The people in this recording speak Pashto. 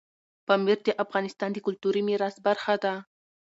پامیر د افغانستان د کلتوري میراث برخه ده.